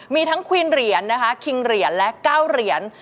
มีทั้งควีนเหรียญนะคะคิงเหรียญและ๙เหรียญ